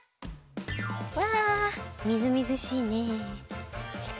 うわみずみずしいね。